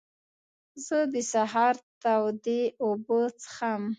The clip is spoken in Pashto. زه د سهار تودې اوبه څښم.